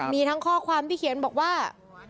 มีทั้งข้อความที่เขียนบอกว่า